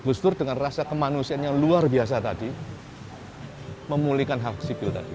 gus dur dengan rasa kemanusiaan yang luar biasa tadi memulihkan hak sipil tadi